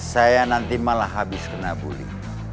saya nanti malah habis kena bully